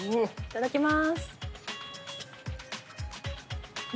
いただきまーす。